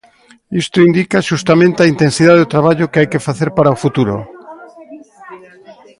Isto indica xustamente a intensidade do traballo que hai que facer para o futuro.